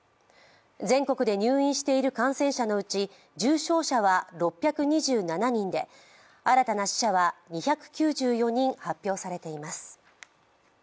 全国で入院している感染者のうち重症者は６２７人で新たな死者は２９４人発表されています。